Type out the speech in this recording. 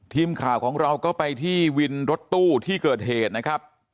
ทีมข่าวของเราก็ไปที่วินรถตู้ที่เกิดเหตุนะครับ